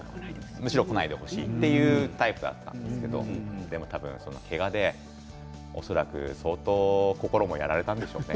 むしろ来ないでほしいと言うタイプだったんですけれどけがで恐らく相当心もやられたんでしょうね。